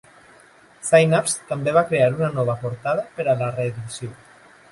Synapse també va crear una nova portada per a la reedició.